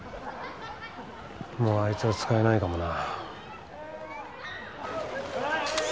もうあいつは使えないかもな。